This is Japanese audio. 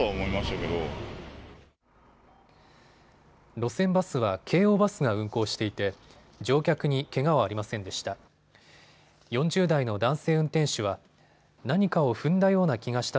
路線バスは京王バスが運行していて乗客にけがはありませんでした。